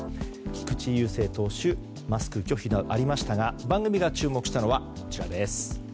菊池雄星投手マスク拒否などありましたが番組が注目したのはこちらです。